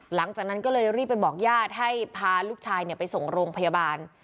หลังจากนั้นก็เลยรีบไปบอกญาติให้พาลูกชายไปส่งโรงพยาบาล